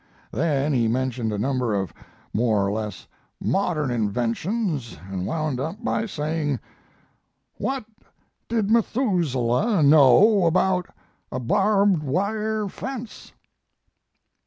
Then he mentioned a number of more or less modern inventions, and wound up by saying, "What did Methuselah know about a barbed wire fence?"